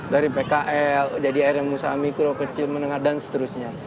dari pkl jadi air yang usaha mikro kecil menengah dan seterusnya